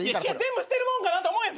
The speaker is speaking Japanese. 全部捨てるもんかなと思うやん。